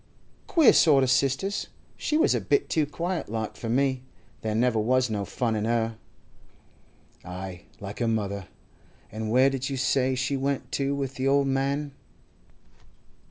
'Queer sort o' sisters. She was a bit too quiet like for me. There never was no fun in her.' 'Aye, like her mother. And where did you say she went to with the old man?